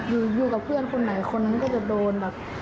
อยู่กับเพื่อนคนไหนคนนั้นก็จะโดนแบบ